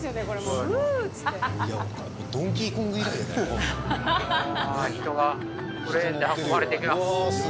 うわ人がクレーンで運ばれて行きます。